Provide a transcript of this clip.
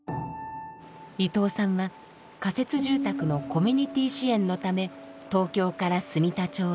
伊藤さんは仮設住宅のコミュニティー支援のため東京から住田町へ。